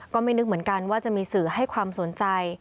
ก็ไม่นึกเหมือนกันว่าจะมีสื่อให้ความสนใจ